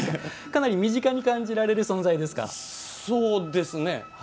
かなり身近に感じられる存在ですかね。